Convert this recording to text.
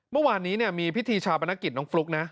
เมื่อวานนี้มีพิธีชาปนกิจน้องฟลุ๊กนะ